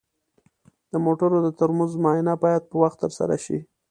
د موټرو د ترمز معاینه باید په وخت ترسره شي.